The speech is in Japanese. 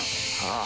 ああ。